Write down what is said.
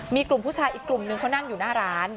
มีกลุ่มผู้ชายอีกกลุ่มนึงเขานั่งอยู่หน้าร้าน